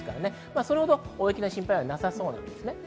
それほど大雪の心配はなさそうです。